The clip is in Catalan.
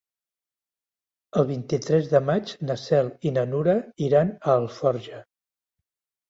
El vint-i-tres de maig na Cel i na Nura iran a Alforja.